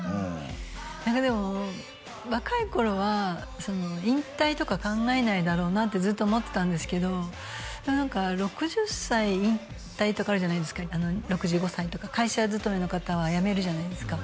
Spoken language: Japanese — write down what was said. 何かでも若い頃は引退とか考えないだろうなってずっと思ってたんですけどでも何か６０歳引退とかあるじゃないですか６５歳とか会社勤めの方は辞めるじゃないですか